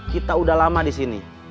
kita udah lama di sini